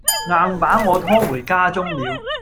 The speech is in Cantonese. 硬把我拖回家中了。